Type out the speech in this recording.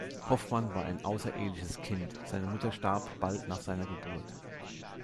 Hoffmann war ein außereheliches Kind; seine Mutter starb bald nach seiner Geburt.